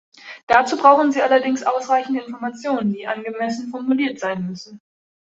Dazu brauchen sie allerdings ausreichende Informationen, die angemessen formuliert sein müssen.